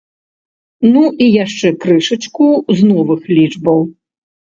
Ну і яшчэ крышачку з новых лічбаў.